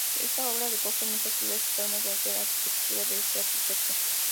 Esta obra recoge muchas ideas y formas de hacer arquitectura de este arquitecto.